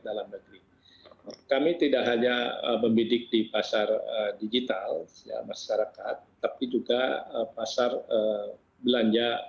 dalam negeri kami tidak hanya membidik di pasar digital masyarakat tapi juga pasar belanja